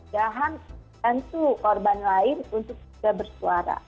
jahat hantu korban lain untuk sudah bersuara